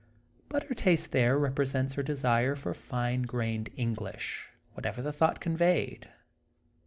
But her taste there repre sents her desire for fine grained English what ever the thought conveyed.